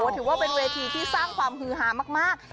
ถือว่าเป็นเวทีที่สร้างความฮือหามาก